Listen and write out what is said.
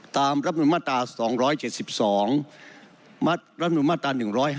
ตามรับหนุนมาตรา๒๗๒รับหนุนมาตรา๑๕๙